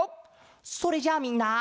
それじゃあみんな。